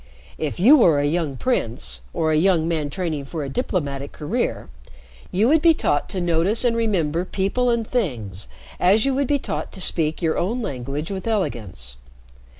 "If you were a young prince or a young man training for a diplomatic career, you would be taught to notice and remember people and things as you would be taught to speak your own language with elegance.